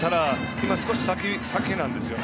今、少し先なんです。